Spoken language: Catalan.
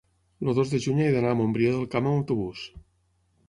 el dos de juny he d'anar a Montbrió del Camp amb autobús.